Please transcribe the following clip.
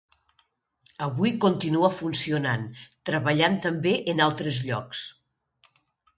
Avui continua funcionant, treballant també en altres llocs.